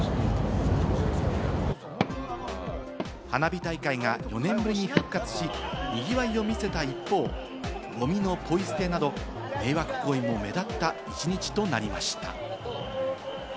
花火大会が４年ぶりに復活し、賑わいを見せた一方、ゴミのポイ捨てなど迷惑行為も目立った１日となりました。